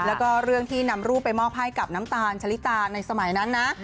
แล้วก็เรื่องที่นำรูปไปมอบให้กับน้ำตาลชะลิตาในสมัยนั้นนะ